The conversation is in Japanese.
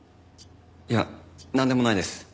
いやなんでもないです。